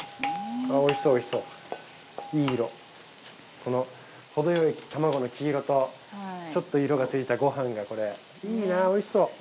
このほどよい卵の黄色とちょっと色がついたご飯がこれいいなぁおいしそう。